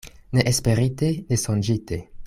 Ne esperite, ne sonĝite.